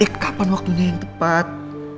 ya kapan waktunya yang tepat